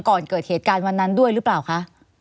ก่อนเกิดเหตุการณ์วันนั้นด้วยหรือเปล่าคะ